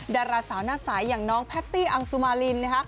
ดาราสาวหน้าสายอย่างน้องแพตตี้อังสุมารินนะคะ